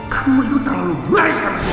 kamu itu terlalu baik